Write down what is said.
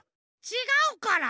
ちがうから。